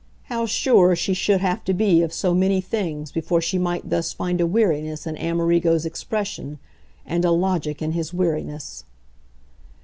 How sure she should have to be of so many things before she might thus find a weariness in Amerigo's expression and a logic in his weariness!